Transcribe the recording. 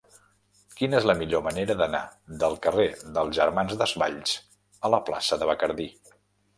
Quina és la millor manera d'anar del carrer dels Germans Desvalls a la plaça de Bacardí?